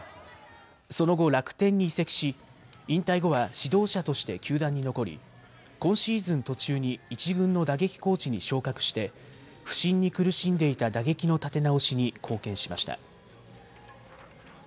その後、楽天に移籍し引退後は指導者として球団に残り今シーズン途中に１軍の打撃コーチに昇格して不振に苦しんでいた打撃の立て直しに貢献しました。